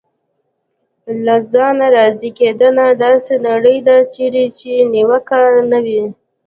له ځانه راضي کېدنه: داسې نړۍ ده چېرې نیوکه نه وي.